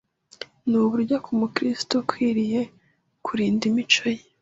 Ni buryo ki Umukristo akwiriye kurinda imico ye